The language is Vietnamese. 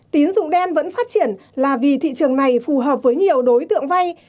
tín dụng đen vẫn phát triển là vì thị trường này phù hợp với nhiều đối tượng vay